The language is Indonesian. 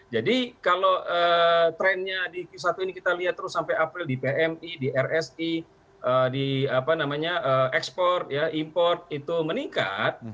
jadi kalau trennya di q satu ini kita lihat terus sampai april di pmi di rsi di export import itu meningkat